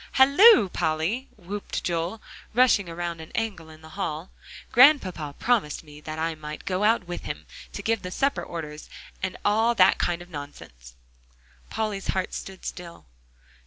"Halloo, Polly!" whooped Joel, rushing around an angle in the hall, "Grandpapa promised me that I might go out with him, to give the supper orders, and all that kind of nonsense." Polly's heart stood still.